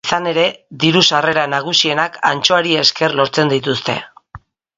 Izan ere, diru-sarrera nagusienak antxoari esker lortzen dituzte.